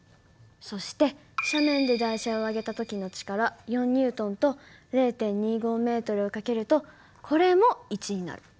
そして斜面で台車を上げた時の力４Ｎと０．２５ｍを掛けるとこれも１になる。